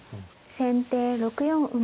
先手６四馬。